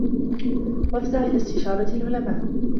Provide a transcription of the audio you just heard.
وَافْزَعْ إلَى اسْتِشَارَةِ الْعُلَمَاءِ